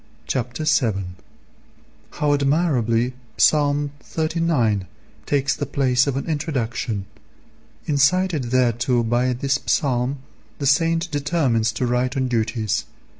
Chapter VII. How admirably Ps. xxxix. [xxxviii.] takes the place of an introduction. Incited thereto by this psalm the saint determines to write on duties.